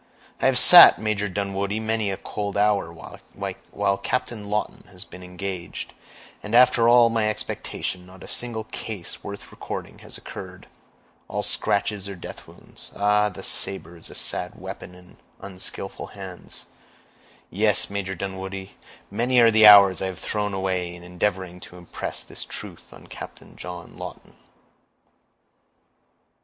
I have sat, Major Dunwoodie, many a cold hour, while Captain Lawton has been engaged, and after all my expectation, not a single case worth recording has occurred—all scratches or death wounds. Ah! the saber is a sad weapon in unskillful hands! Yes, Major Dunwoodie, many are the hours I have thrown away in endeavoring to impress this truth on Captain John Lawton."